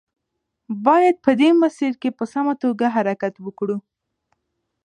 باید په دې مسیر کې په سمه توګه حرکت وکړو.